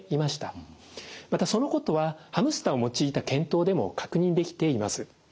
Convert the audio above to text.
またそのことはハムスターを用いた検討でも確認できています。